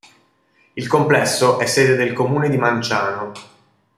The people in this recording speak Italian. Il complesso è sede del Comune di Manciano.